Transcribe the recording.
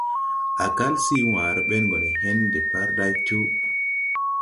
Á kal sii wããre ben go ne hen depārday tuu.